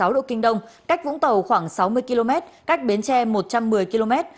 một trăm linh bảy sáu độ kinh đông cách vũng tàu khoảng sáu mươi km cách biến tre một trăm một mươi km